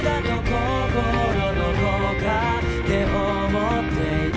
心どこかで思っていた